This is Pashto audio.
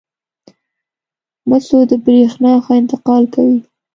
مسو د برېښنا ښه انتقال کوي.